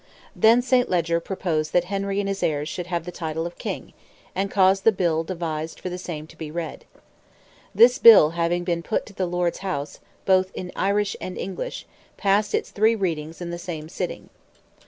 Then St. Leger proposed that Henry and his heirs should have the title of King, and caused the "bill devised for the same to be read." This bill having been put to the Lords' House, both in Irish and English, passed its three readings at the same sitting.